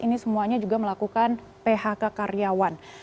ini semuanya juga melakukan phk karyawan